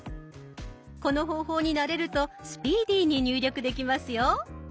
この方法に慣れるとスピーディーに入力できますよ。